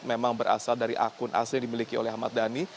memang berasal dari akun asli yang dimiliki oleh ahmad dhani